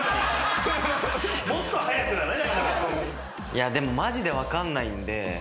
いやでもマジで分かんないんで。